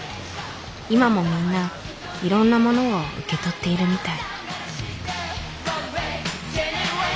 今もみんないろんなものを受け取っているみたい。